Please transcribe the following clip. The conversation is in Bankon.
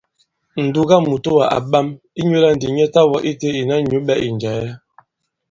Ǹdugamùtowà à ɓam ; ìnyula ndi a ta wɔ ite ìna nyũɓɛ ì njɛ̀ɛ.